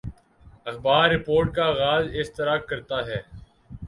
اخبار رپورٹ کا آغاز اس طرح کرتا ہے